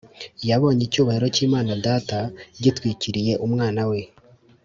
Yabonye icyubahiro cy’Imana Data gitwikiriye Umwana We